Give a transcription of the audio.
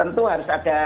tentu harus ada